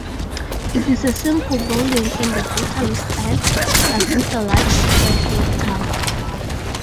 It is a simple building in the brutalist style, with a large square clocktower.